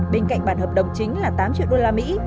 bên cạnh bản hợp đồng chính là tám triệu đô la mỹ